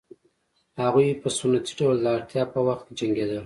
هغوی په سنتي ډول د اړتیا په وخت کې جنګېدل